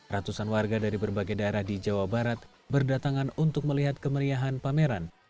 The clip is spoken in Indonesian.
ratusan warga dari berbagai daerah di jawa barat berdatangan untuk melihat kemeriahan pameran